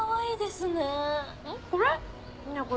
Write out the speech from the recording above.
これ？